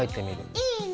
いいね！